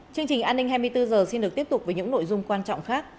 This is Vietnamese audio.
chương trình an ninh hai mươi bốn h xin được tiếp tục với những nội dung quan trọng khác